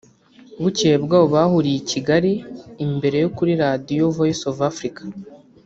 Bukeye bwaho bahuriye i Kigali imbere yo kuri radiyo Voice of Africa